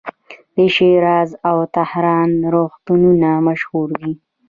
د شیراز او تهران روغتونونه مشهور دي.